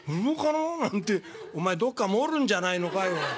「お前どっか漏るんじゃないのかいおい。